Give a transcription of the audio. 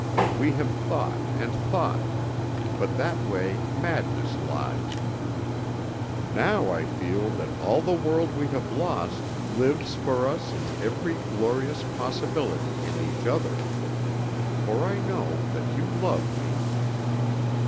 We have thought and thought, but that way madness lies. Now I feel that all the world we have lost, lives for us in every glorious possibility in each other. For I know that you love me."